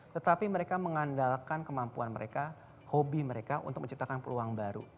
tetapi mereka mengandalkan kemampuan mereka hobi mereka untuk menciptakan peluang baru